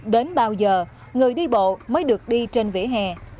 đến bao giờ người đi bộ mới được đi trên vỉa hè